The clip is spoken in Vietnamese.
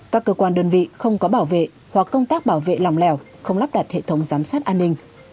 các cơ quan đơn vị không có bảo vệ hoặc công tác bảo vệ lòng lẻo không lắp đặt hệ thống giám sát an ninh